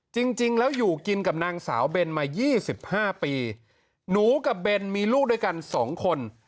จริงแล้วอยู่กินกับนางสาวเบนมา๒๕ปีหนูกับเบนมีลูกด้วยกันสองคน